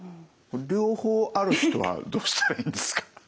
これ両方ある人はどうしたらいいんですか？